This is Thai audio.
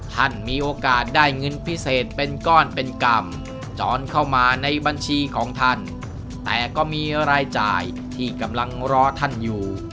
ท่านมีโอกาสได้เงินพิเศษเป็นก้อนเป็นกรรมจรเข้ามาในบัญชีของท่านแต่ก็มีรายจ่ายที่กำลังรอท่านอยู่